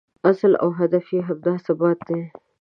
اصل او هدف یې همدا ثبات دی.